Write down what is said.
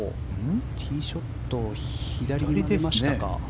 ティーショットを左に入れましたか。